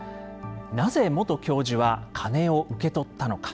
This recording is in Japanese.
なぜ元教授はカネを受け取ったのか。